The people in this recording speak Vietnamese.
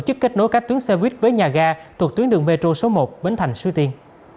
tổ chức kết nối các tuyến xe buýt với nhà ga thuộc tuyến đường metro số một bến thành suy tiên